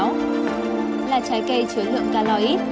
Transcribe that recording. là trái cây chứa lượng calo ít